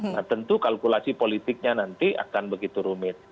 nah tentu kalkulasi politiknya nanti akan begitu rumit